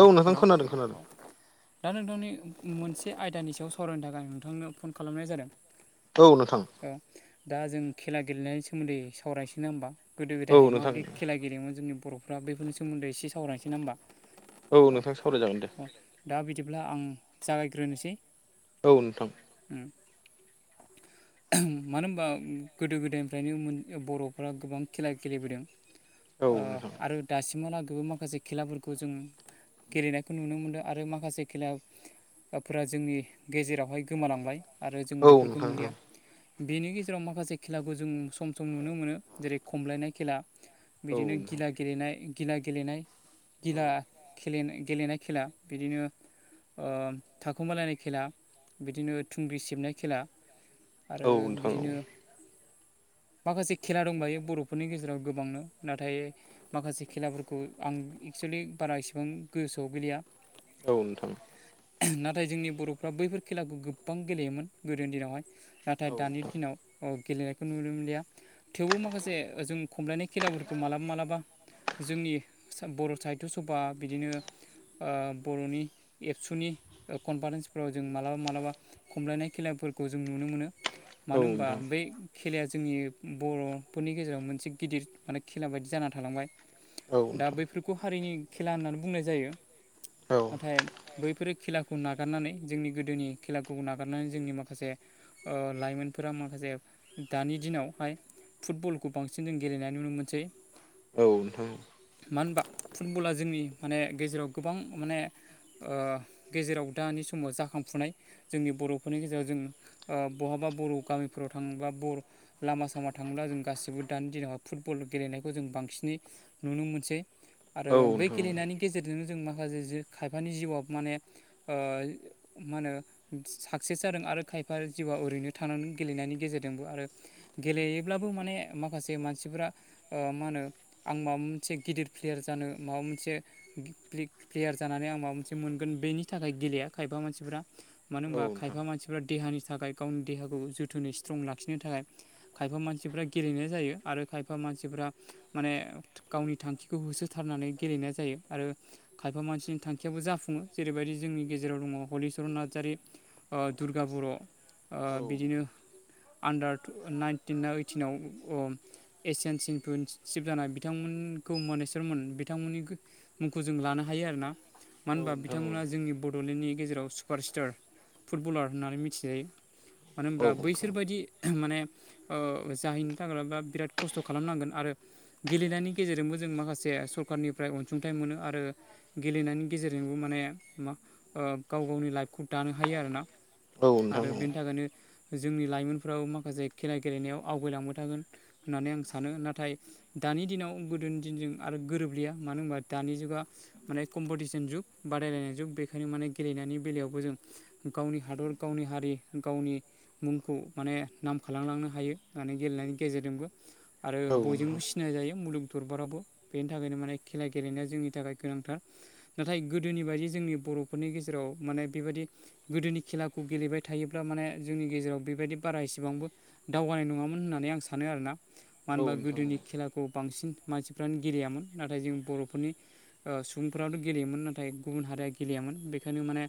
औ हेलौ [unintelligible] दा नोंथांनि मोनसे आयदानि सायाव सावरायनो थाखाय नोंथांनो फन खालामनाय जादों। दा जों खेला गेलेनायनि सोमोन्दै सावरायसै ना होमबा गोदो गोदायहाय माबायदि खेला गेलेयोमोन जोंनि बर'फ्रा बेफोर सोमोन्दै एसे सावरायसै ना होमबा अ अ दा बिदिब्ला आं जागायग्रोनोसै औ नोंथां उम [unintelligible] उम मानो होनबा उम गोदो गोदायनिफ्रायनो मोन बर'फोरा गोबां खेला गेलेबोदों ओ आरो दासिमहालागैबो माखासे खेलाफोर खौ जों गेलेनायखौ नुनो मोनदों आरो माखासे खेला ओ फ्रा जोंनि गेजेरावहाय गोमालांबाय आरो जों बेफोरखौ नुलिया बेनि गेजेराव माखासे खेलाखौ जों सम सम नुनो मोनो जेरै खमलायनाय खेला बिदिनो गिला गेलेनाय गिला गेलेनाय गिला खेलेनाय गेलेनाय खेला बिदिनो ओ थाखुमालायनाय खेला बिदिनो थुंग्रि सिबनाय खेला आरो बिदिनो माखासे खेला दंबायो बर'फोरनि गेजेराव गोबांनो नाथाय माखासे खेलाफोरखौ आं एक्सेलि बारा इसिबां गोसोआव गैलेया औ नोंथां नाथाय जोंनि बर'फ्रा बैफोर खेलाखौ गोबां गेलेयोमोन गोदोनि दिनावहाय नाथाय दानि दिनाव अ गेलेनायखौ नुनो मोनलिया थेवबो माखासे ओजों खमलायनाय खेलाफोरखौ मालाबा मालाबा जोंनि सा बर' साहित्य सभा बिदिनो ओ बर'नि एबसुनि ओ कनफारेन्सफोराव जों मालाबा मालाबा खमलायनाय खेलाफोरखौ जों नुनो मोनो मानो होनबा बै खेलाया जोंनि बर'फोरनि गेजेराव मोनसे गिदिर माने खेला बायदि जाना थालांबाय दा बैफोर खौ हारिनि खेला होननानै बुंनाय जायो नाथाय बैफोरो खेला खौ नागारनानै जोंनि गोदोनि खेलाखौ नागारनानै जोंनि माखासे ओ लाइमोनफोरा माखासे दानि दिनावहाय फुटबलखौ बांसिन जों गेलेनाय नुनो मोनसै औ नोंथां मानो होनबा फुटबला जोंनि माने गेजेराव गोबां माने ओ गेजेराव दानि समाव जाखांफुनाय जोंनि बर'फोरनि गेजेराव जों ओ बहाबा बर' गामिफोराव थाङोब्ला बर' लामा सामा थाङोब्ला जों गासिबो दानि दिनाव फुटबल गेलेनायखौ जों बांसिनै नुनो मोनसै। आरो बै गेलेनायनि गेजेरजोंनो जों माखासे जि खायफानि जिउआ माने ओ मा होनो साक्सेस जादों आरो खायफा जिउआ ओरैनो थानानै गेलेनायनि गेजेरजोंबो आरो गेलेयोब्लाबो माने माखासे मानसिफोरा ओ मा होनो आं माबा मोनसे गिदिर देर जानो माबा मोनसे प्लिक प्लेयार जानानै आं माबा मोनसे मोनगोन बेनि थाखाय गेलेया खायफा मानसिफोरा मानो होनबा खायफा मानसिफ्रा देहानि थाखाय गावनि देहाखौ जोथोनै स्ट्रं लाखिनो थाखाय खायफा मानसिफ्रा गेलेनाय जायो आरो खायफा मानसिफोरा माने गावनि थांखि होसोथारनानै गेलेनाय जायो आरो खायफा मानसिनि थांखियाबो जाफुङो जेरैबायदि जोंनि गेजेराव दङ हलिचरन नार्जारि ओ दुर्गा बर' ओ बिदिनो आन्दार टु नाइनटिनना ओइटिनाव अ एसियान चेम्पियनशिप जानाय बिथांमोन खौ मनेेस्वरमोन बिथांमोननि मुंखौ जों लानो हायो आरोना मानो होनबा बिथांमोना जोंनि बड'लेण्डनि गेजेराव सुपारस्टार फुटबलार होन्नानै मिथिजायो मानो होनबा बै बिसोरबायदि माने ओ जाहैनो थाखायबा बिराद खस्थ' खालामनांगोन आरो गेलेनायनि गेजेरजोंबो जों माखासे सरखारारनिफ्राय अनसुंथाइ मोनो आरो गेलेनायनि गेजेरजोंबो माने मा ओ गाव गावनि लाइफखौ दानो हायो आरोना आरो बेनि थाखायनो जोंनि लाइमोनफ्राबो माखासे खेला गेलेनायाव आवगायलांबाय थागोन होननानै आं सानो नाथाय दानि दिनाव गोदो दिनजों आरो गोरोबलिया मानो होनबा दानि जुगा माने कम्पिटिसन जुग बादायलायनाय जुग बेखायनो माने गेलेनायनि बेलायावबो जों गावनि हादर गावनि हारि गावनि मुंखौ माने नाम खालामलांनो हायो माने गेलेनायनि गेजेरजोंबो आरो बयजोंबो सिनाय जायो मुलुग दरबाराबो बेनि थाखायनो माने खेला गेलेनाया जोंनि थाखाय गोनांथार नाथाय गोदोनि बायदि जोंनि बर'फोरनि गेजेराव माने बेबायदि गोदोनि खेलाखौ गेलेबाय थायोब्ला माने जोंनि गेजेराव बेबायदि बारा एसेबांबो दावगानाय नङामोन होननानै आं सानो आरोना मानो होनबा गोदोनि खेलाखौ बांसिन मानसि फोरानो गेलेयामोन नाथाय जों बर'फोरनि सुबुंफोराथ' गेलेयोमोन नाथाय गुबुन हारिया गेलेयामोन बेखायनो माने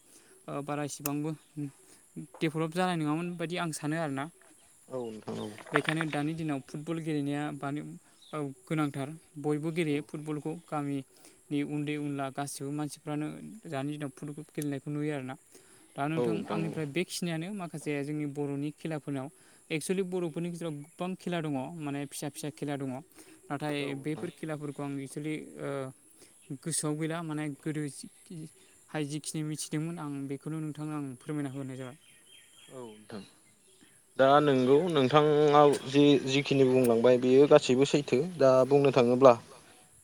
बारा इसिबांबो डेभलप जानाय नङामोन बायदि आं सानो आरो ना औ नोंथां औ बेखायनो दानि दिनाव फुटबल गेलेनाया गोनांथार बयबो गेलेयो फुटबलखौ गामि नि उन्दै उनला गासैबो मानसिफ्रानो दानि दिनाव फुटबल गेलेनायखौ नुयो आरोना दा नोंथां आंनिफ्राय बेखिनियानो माखासे जोंनि बर'नि खेलाफोरनाव एक्सुेलि बर'फोरनि गेजेराव गोबां खेला दङ माने फिसा फिसा खेला दङ नाथाय बे बेफोर खेलाफोरखौ आं एक्सलि गोसोआव गैला माने गोदो हाय जिखिनि मिथिदोंमोन आं बेखौनो नोंथाङा आं फोरमायना हराय जाबाय औ नोंथां दा नोंगौ नोंथाङाव जि जिखिनि बुंलांबाय बेयो गासैबो गासैबो सैथो दा बुंनो थाङोब्ला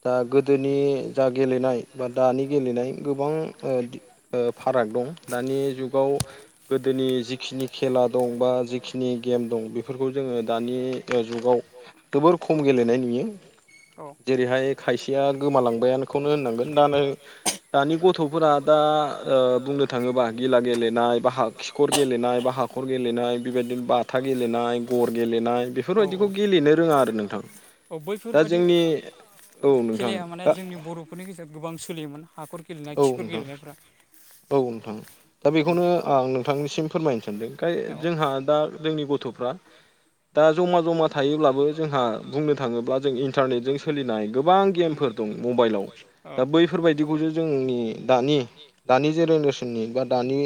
दा गोदोनि जा गेलेनाय बा दानि गेलेनाय गोबां फाराग दं दानि जुगाव गोदोनि जिखिनि खेला दं बा जिखिनि गेम दं बेफोरखौ जोङो दानि जुगाव जोबोर खम गेलेनाय नुयो जेरैहाय खायसेया गोमालांबायानोखौनो होननांगोन दा दानि गथ'फोरा दा बुंनो थाङोबा गिला गेलेनाय बा हा खिखर गेलेनाय बा हाखर गेलेनाय बेबायदिनो बाथा गेलेनाय गर गेलेनाय बेफोरबायदिखौ गेलेनो रोङा आरो नों नोंथां दा जोंनि औ नोंथां दा बेखफोरनि गेजेराव गोबां सोलियोमोन हाखर गेलेनाय खिखर गेलेनायफ्रा औ नोंथां दा बेखौनो आं नोंथांनिसिम फोरमायनो सानदों जोंहा दा जोंनि गथ' [inaudible] दा जमा जमा थायोब्लाबो जोंहा बुंनो थाङोब्ला जों इन्टारनेटजों सोलिनाय गोबां गेमफोर मबाइलाव दा बैफोरबायदिखौसो जोंनि द द जेनेरेसननि बा दानि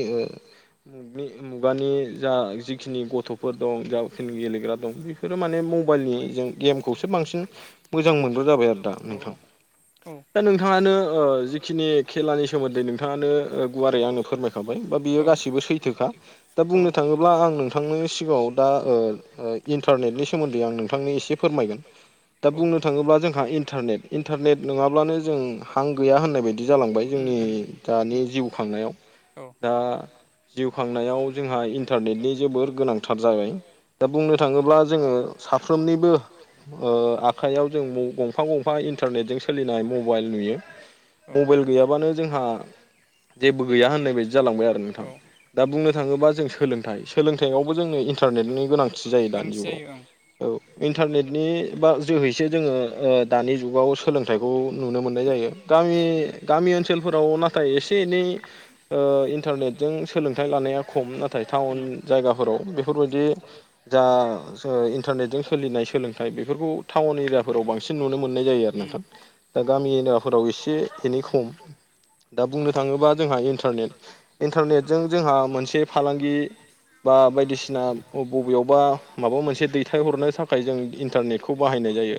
मुग मुगानि जा जिखिनि गथ'फोर दं जेखिनि गेलेग्रा दं बे बेसोरो माने मबाइलनि जे गेमखौसो बांसिन मोजां मोनग्रा जाबाय आरो दा नोंथां दा नोंथाङानो जिखिनि खेलानि सोमोन्दै नोंथाङानो ओ गुवारै आंनो फोरमायखाबाय बा बियो गासिबो सैथोखा दा बुंनो थाङोब्ला आं नोंथांनि सिगाङाव दा ओ ओ इन्टारनेटनि सोमोन्दै आं नोंथांनो एसे फोरमायगोन दा बुंनो थाङोब्ला जोंहा इन्टारनेट इन्टारनेट नङाब्लानो जों हां गैया होननाय बायदि बिदि जालांबाय जोंनि दानि जिउ खांनायाव दा जिउ खांनायाव जोंहा इन्टारनेटनि जोबोर गोनांथार जाबाय दा बुंनो थाङोब्ला जोङो साफ्रोमनिबो ओ आखाइयाव जों गंफा गंफा इन्टारनेटजों सोलिनाय मबाइल नुयो मबाइल गैयाबानो जोंहा जेबो गैया होननाय बायदि जालांबाय आरो नोंथां दा बुंनो थाङोबा जों सोलोंथाइ सोलोंथाइआवबो जोंनो इन्टारनेटनि गोनांथि जायो दानि जुगाव औ इन्टारनेटनि बा जोहैसो जोङो ओ दानि जुगाव सोलोंथाइखौ नुनो मोननाय जायो गामि गामि ओनसोलफोराव नाथाय एसे एसे एनै ओ इन्टारनेटजों सोलोंथाइ लानाया खम नाथाय टाउन जायगाफोराव बेफोरबायदि जा जा इन्टारनेटजों सोलिनाय सोलोंथाइ बेफोरखौ टाउन एरियाफोराव बांसिन नुनो मोननाय जायो आरो नोंथां दा गामि एरियाफोराव एसे एनि खम दा बुंनो थाङोबा जोंहा इन्टारनेट इन्टारनेटजों जोंहा मोनसे फालांगि बा बायदिसिना बबेयावबा माबा मोनसे दैथायहरनो थाखाय जों इन्टारनेटखौ बाहायनाय जायो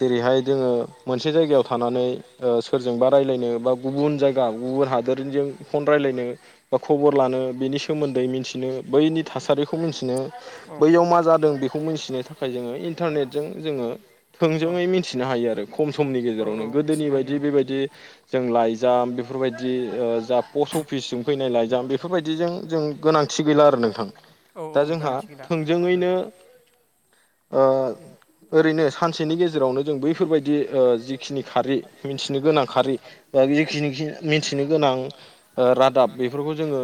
जेरैहाय जोङो मोनसे जायगायाव थानानै ओ सोरजोंबा रायज्लायनो बा गुबुन जाय गा गुबुन हादोरजों फन रायज्लायनो बा खबर लानो बेनि सोमोन्दै मिन्थिनो बैनि थासारिखौ मिनथिनो बैयाव मा जादों बेखौ मिनथिनो थाखाय जोङो इन्टारनेटजों जोङो थोंजोङै मिथिनो हायो आरो खम समनि गेजेरावनो गोदोनि बायदि बेबायदि दि जों लाइजाम बि बेफोरबायदि ओ जा पस्ट अफिसजों फैनाय लाइजाम बेफोरबायदिजों जों गोनांथि गैला आरो नोंथां दा जोंहा थोंजोङैनो लांदां ओ ओरैनो सानसेनि गेजेरावनो जों बैफोरबायदि ओ जिखिनि खारै मिथि गोनां खारि दा बिखिनि मिथिनो गोनां रादाब बेफोरखौ ओ जोङो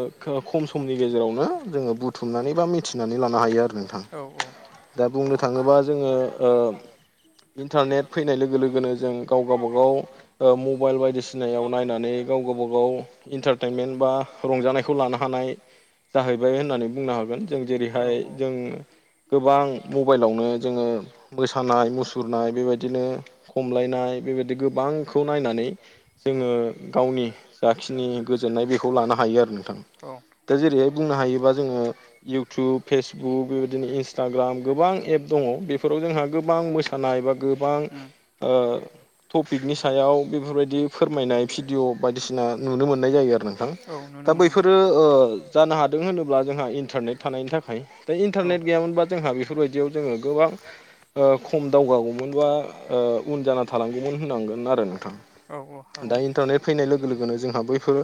खम समनि गेजेरावनो जोङो बु बुथुमनानै बा मिथिनानै लानो हायो आरो नोंथां दा बुंनो थाङोबा जोङो ओ इन्टारनेट फैनाय लोगो लोगोनो जों गाव गावबागाव ओ मबाइल बायदिसिनायाव नायनानै गाव गावबा गाव इन्टारटेइनमेन्ट बा रंजानायखौ लानो हानाय जाहैबाय होननानै बुंनो हागोन जों जेरैहाय जों गोबां मबाइलावनो जोङो मोसानाय मुसुरनाय बेबायदिनो खमलायनाय बेबायदि गोबांखौ नायनानै जोङो गावनि जाखिनि गोजोननाय बेखौ लानो हायो आरो नोंथां दा जेरैहाय बुंनो हायोबा जोङो इउटुब फेसबुक बेबायदिनो इन्सटाग्राम गोबां एप दङ बे फोराव जोंहा गोबां मोसानाय बा गोबां ओ टपिकनि सा सायाव बेफोरबायदि फोरमाय बनाय भिडिअ' बायदिसिना नुनो मोननाय जायो आरो नोंथां दा बैफोरो ओ जानो हादों होनोब्ला जोंहा इन्टारनेट थानायनि थाखाय दा इन्टारनेट गैयामोनबा जोंहा बेफोरबायदियाव जोङो गोबां ओ खम दावगागौमोन बा ओ उन जाना थालांगौमोन होननांगोन आरो आरो औ औ दा इन्टारनेट फैनाय लोगो लोगोनो जोंहा बैफोर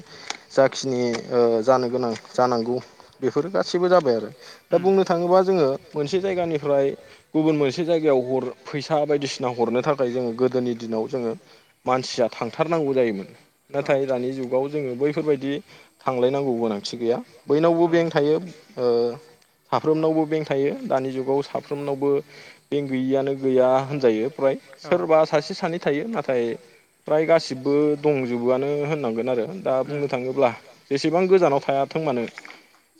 जाखिनि ओ जानो गोनां जानांगौ बेफोरो गासैबो जाबाय आरो दा बुंनो थाङोबा जोङो मोनसे जायगानिफ्राय गुबुन मोनसे जायगायाव हर फैसा बायदिसिना हरनो थाखाय जोङो गोदोनि दिनाव जोङो मानसिया थांथारनां नांगौ जायोमोन नाथाय दानि जुगाव जोङो बैफोरबायदि थांलायनांगौ गोनांथि गैया बयनावबो बेंक थायो ओ साफ्रोमनावबो बेंक थायो दानि जुगाव साफ्रोमनावबो बेंक गैयियानो गैया होनजायो फ्राय सोरबा सासे सानै थायो नाथाय फ्राय गासिबो दंजोबोआनो होननांगोन आरो दा बुंनो थाङोब्ला जेसेबां गोजानाव थायाथों मानो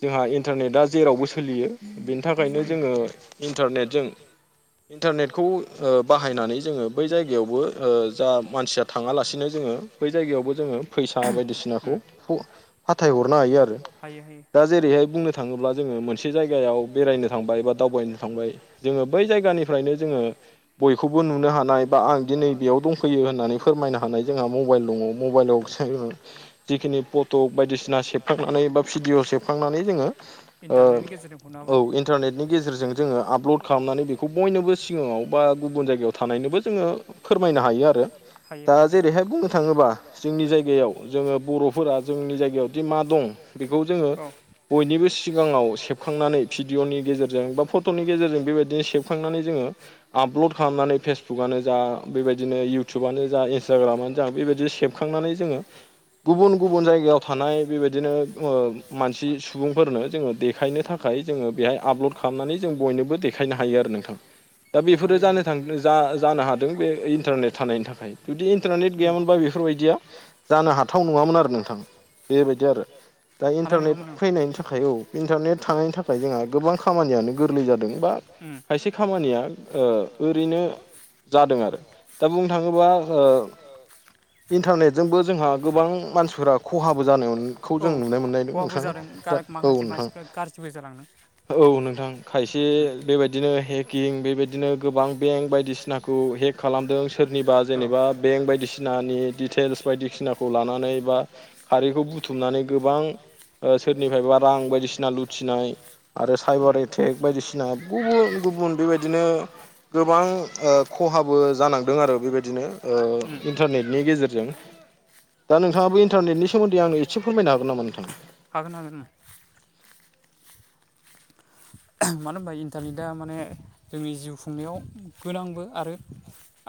जोंहा इन्टारनेटआ जेरावबो सोलियो बेनि थाखायनो जोङो इन्टारनेटजों इन्टारनेटखौ ओ बाहायनानै जोङो बै जायगायावबो जा मानसिया थाङालासिनो जोङो बै जायगायावबो जोङो फैसा बायदिसिनाखौ फाथायहरनो हायो आरो हायो हायो दा जेरैहाय बुंनो थाङोब्ला जोङो मोनसे जायगायाव बेरायनो थांबाय बा दावबायनो थांबाय जोङो बै जायगानिफ्रायनो जोङो बयखौबो नुनो हानाय बा आं दि नै बेयाव दंफैयो होन नानै फोरमायनो हानाय जोंहा मबाइल दङ मबाइलाव [unintelligible] जिखिनि फट' बायदिसिना सेबखांनानै बा भिडअ सेब खांनानै जोङो ओ औ इन्टारनेटनि गेजेरजों जोङो आपलड खालामनानै खौ बयनोबो सिगाङाव बा गुबुन जायगायाव थानायनोबो जोङो फोरमायनो हायो आरो। हायो हायो फाय बुंनो थाङोबा जोंनि जायगायाव जोङो बर'फोरा जोंनि जायगायावदि मा दं बेखौ जोङो बयनिबो सिगाङाव सेबखांनानै भिडिअ'नि गेजेरजों बा फट'नि गेजेरजों बेबायदिनो सेबखांनानै जोङो आपल'ड खालामनानै फेसबुकआनो जा बेबायदिनो इउटुबानो जा इन्सटाग्रामानो‌ बेबायदि सेबखांनानै जोङो गुबुन गुबुन जायगायाव थानाय बेबायदिनो ओ मानसि सुबुंफोरनो जोङो देखायनो था खाय जोङो बेहाय आपलड खालामनानै जों बयनोबो देखायनो हायो आरो नोंथां। दा बेफोरो जानो थां जा जानो हादों बे इन्टारनेट थानायनि थाखाय जुदि इन्टारनेट गैयामोनबा बेफोरबायदिया जानो हाथाव नङामोन आरो नोंथां बेबायदि आरो दा इन्टारनेट फैनायनि थाखाय औ इन्टारनेट थानायनि थाखाय जोंहा गोबां खामानियानो गोरलै जादों बा खायसे खामानिया ओ ओरैनो जादों आरो दा बुंनो थाङोबा ओ इन्टारनेटबो जोंहा गोबां मानसिफोरा खहाबो जादों औ खहाबो जादों गा माखासे मानसिफ्रा गाज्रिबो जालांदों औ नोंथां खायसे बेबायदिनो हेकिं बेबायदिनो गोबां बेंक बायदिसिना खौ हेक खालामदों सोरनिबा जेनेबा बेंक बायदिसिनानि डिटेलस बायदिसिनाखौ लानानै बा खारैखौ बुथुमनानै गोबां ओ सोरनिफ्रायबा रां बायदिसिना लुथिनाय आरो साइबारनि एटेक बायदिसिना गुबुन गुबुन बेबायदिनो गोबां ओ खहाबो जानांदों आरो बेबायदिनो ओ इन्टारनेटनि गेजेरजों दा नोंथाङाबो इन्टारनेटनि सोमोन्दै आंनो एसे फोरमायनो हागोन नामा नोंथां? हागोन हागोन उम मानो ओमबा इन्टारनेटा माने जोंनि जिउ खुंनायाव गोनांबो आरो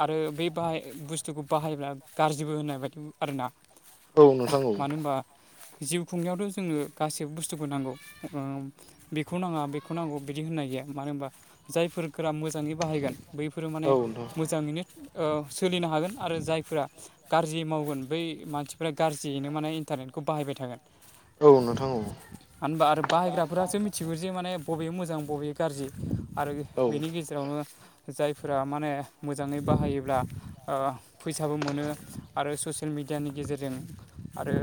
आरो बे बाहाय बुस्थुखौ बाहायब्ला गाज्रिबो होननाय बायदि आरोना। मानो होनबा जिउ खुंनायावथ' जोंनो गासैबो बुस्थुखौ नांगौ ओ उम बेखौ बेखौ नाङा बेखौ नांगौ बिदि होननाय गैया मानो होनबा जायफोर गोरा मोजाङै बाहायगोन बैफोरो माने मोजाङैनो ओ सोलिनो हागोन आरो जायफोरा गारजि मावगोन बै मानसिफ्रा गारजियैनो माने इन्टारनेटखौ बाहायबाय थागोन। औ नोंथां औ आनबा आरो बाहायग्राफोरासो मिथिगौ जे माने बबे मोजां बबे गारजि आरो बेनि गेजेरावनो जायफोरा माने मोजाङै बाहायोब्ला ओ फैसाबो मोनो आरो ससियेल मिडियानि गेजेरजों आरो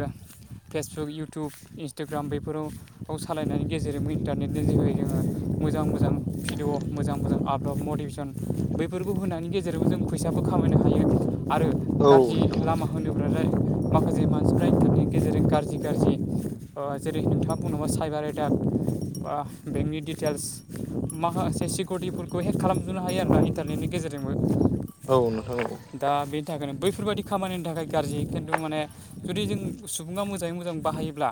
फेसबुक इउटुब इन्सटाग्राम बेफोराव सालायनायनि गेजेरजों [unintelligible] इन्टारनेटनि जोहै जोङो मोजां मोजां भिडिअ' मोजां मोजां आपलड मटिभेस सन बैफोरखौ होनायनि गेजेरबो जों फैसाबो खामायनो हायो आरो गाज्रि लामा होनो [unintelligible] माखासे मानसिफ्रा [unintelligible] नि गेजेरजों गायजि गारजि ओ जेरै नोंथाङा बुंदोंमोन साइबार एटेक। बा बेंकनि डिटेल्स माखासे सिकउरिटिफोरखौ हेक खालामजोबनो हायो आरोना इन्टारनेटनि गेजेरजों जोंबो। औ नोंथां औ। दा बेनि थाखायनो बैफोरबायदि खामानिनि थाखाय गारजि खिन्थु माने जुदि जों सुबुङा मोजाङै मोजां बाहायोब्ला